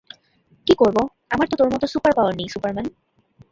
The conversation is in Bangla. কী করবো, আমার তো তোর মতো সুপারপাওয়ার নেই, সুপারম্যান।